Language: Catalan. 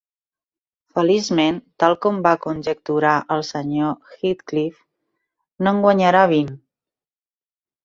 Feliçment, tal com va conjecturar el senyor Heathcliff, no en guanyarà vint.